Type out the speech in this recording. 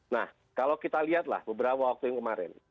nah kalau kita lihatlah beberapa waktu yang kemarin